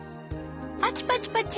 パチパチパチ。